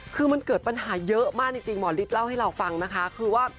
คือมันเกิดปัญหาเยอะมากจริงหมอฤทธิเล่าให้เราฟังนะคะคือว่า